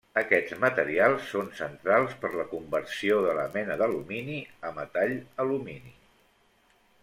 Aquests materials són centrals per la conversió de la mena d'alumini a metall alumini.